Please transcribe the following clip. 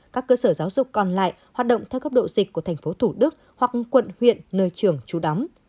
các cơ sở giáo dục còn lại hoạt động theo cấp độ dịch của thành phố thủ đức hoặc quận huyện nơi trường chú đóng